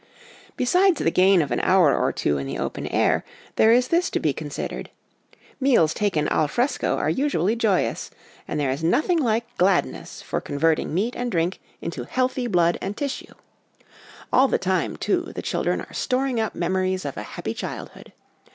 Besides the gain of an hour or two in the open air, there is this to be considered : meals taken al fresco are usually joyous, and there is nothing like gladness for converting meat and drink into healthy OUT OF DOOR LIFE FOR THE CHILDREN 43 blood and tissue. All the time, too, the children are storing up memories of a happy childhood.